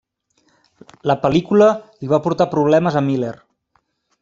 La pel·lícula li va portar problemes a Miller.